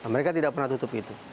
mereka tidak pernah tutup itu